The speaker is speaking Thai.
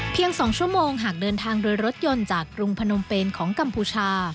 ๒ชั่วโมงหากเดินทางโดยรถยนต์จากกรุงพนมเป็นของกัมพูชา